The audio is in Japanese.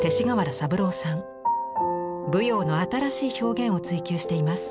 舞踊の新しい表現を追求しています。